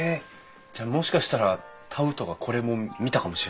じゃあもしかしたらタウトがこれも見たかもしれないってことですか？